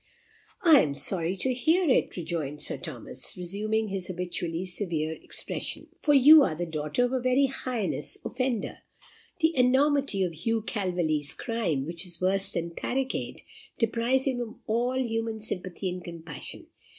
"I am sorry to hear it," rejoined Sir Thomas, resuming his habitually severe expression; "for you are the daughter of a very heinous offender. The enormity of Hugh Calveley's crime, which is worse than parricide, deprives him of all human sympathy and compassion.